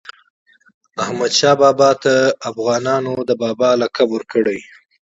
احمدشاه بابا ته افغانانو د "بابا" لقب ورکړی.